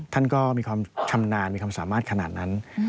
ท่านก็มีความชำนาญมีความสามารถขนาดนั้น